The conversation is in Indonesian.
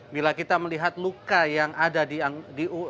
bila kita melihat luka yang ada di